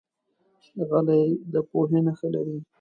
غلی، د پوهې نښه لري.